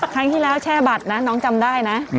ครั้งที่แล้วแช่บัตรนะน้องจำได้นะ